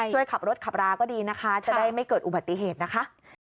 ช่วยขับรถขับราก็ดีนะคะจะได้ไม่เกิดอุบัติเหตุนะคะ